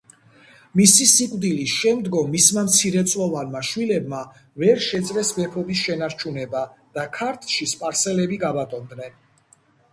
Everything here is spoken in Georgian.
მისი სიკვდილის შემდგომ მისმა მცირეწლოვანმა შვილებმა ვერ შეძლეს მეფობის შენარჩუნება და ქართლში სპარსელები გაბატონდნენ.